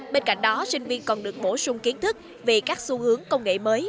bên cạnh đó sinh viên còn được bổ sung kiến thức về các xu hướng công nghệ mới